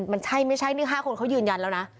มันใช่ไม่ใช่นี่๕คนเขายืนยันแล้วนะ